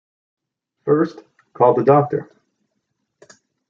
First, call the doctor.